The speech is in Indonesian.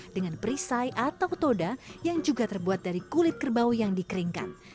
dengan perisai atau toda yang juga terbuat dari kulit kerbau yang dikeringkan